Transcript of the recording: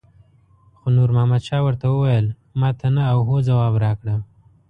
خو نور محمد شاه ورته وویل ماته نه او هو ځواب راکړه.